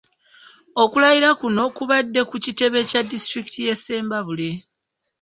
Okulayira kuno kubadde ku kitebe kya disitulikiti y’e Ssembabule.